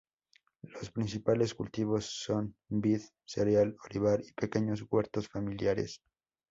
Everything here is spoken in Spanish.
Los principales cultivos son vid, cereal, olivar y pequeños huertos familiares.